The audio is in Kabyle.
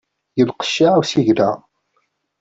Yenqeccaε usigna.